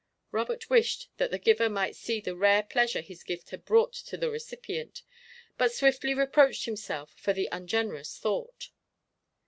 Robert wished that the giver might see the rare pleasure his gift had brought to the recipient, but swiftly reproached himself for the ungenerous thought.